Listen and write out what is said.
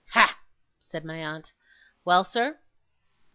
'Ha!' said my aunt. 'Well, sir?